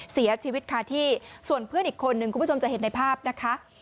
เสียชีวิตคาที่ส่วนเพื่อนอีกคนนึงคุณผู้ชมจะเห็นในภาพนะคะ